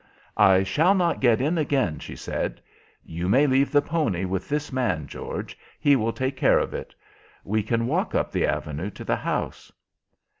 "I shall not get in again," she said. "You may leave the pony with this man, George, he will take care of it. We can walk up the avenue to the house."